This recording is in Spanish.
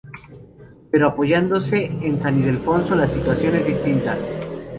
Pero apoyándose en San Ildefonso, la situación es distinta.